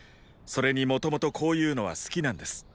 それにもともとこういうのは好きなんです。